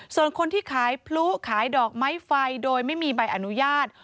ส่วนคนที่ขายพลุขายดอกไม้ไฟโดยไม่มีใบอนุญาต